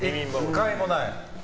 １回もない。